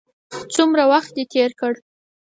څومره وخت دې تېر کړ.